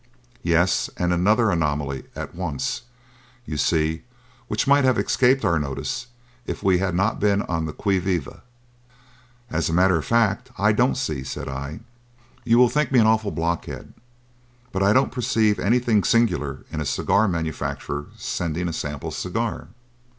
"Yes; and another anomaly, at once, you see, which might have escaped our notice if we had not been on the qui vive." "As a matter of fact, I don't see," said I. "You will think me an awful blockhead, but I don't perceive anything singular in a cigar manufacturer sending a sample cigar."